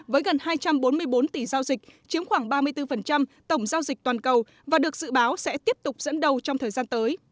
với gần hai trăm bốn mươi bốn tỷ giao dịch chiếm khoảng ba mươi bốn tổng giao dịch toàn cầu và được dự báo sẽ tiếp tục dẫn đầu trong thời gian tới